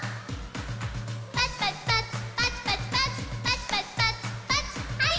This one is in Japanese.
パチパチパチパチパチパチパチパチパチパチはい！